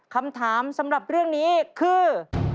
คำถามสำหรับเรื่องนี้คือ